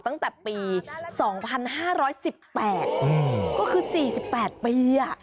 ตั้งแต่ปี๒๕๑๘ก็คือ๔๘ปี